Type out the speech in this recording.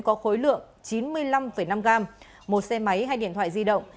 có khối lượng chín mươi năm năm gram một xe máy hai điện thoại di động